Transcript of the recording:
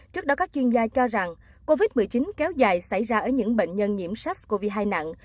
trước đó các chuyên gia cho rằng covid một mươi chín kéo dài xảy ra ở những bệnh nhân nhiễm sars cov hai nặng